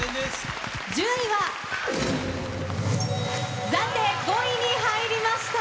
順位は暫定５位に入りました。